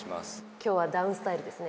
今日はダウンスタイルですね。